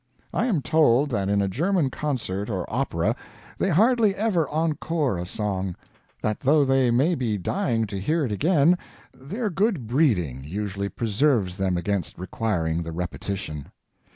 I am told that in a German concert or opera, they hardly ever encore a song; that though they may be dying to hear it again, their good breeding usually preserves them against requiring the repetition.